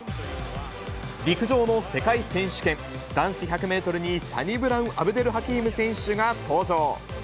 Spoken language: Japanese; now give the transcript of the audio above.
陸上の世界選手権、男子１００メートルにサニブラウン・アブデルハキーム選手が登場。